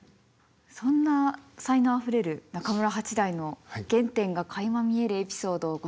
そんな才能あふれる中村八大の原点がかいま見えるエピソードをご紹介します。